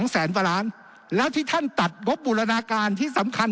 แสนกว่าล้านแล้วที่ท่านตัดงบบูรณาการที่สำคัญ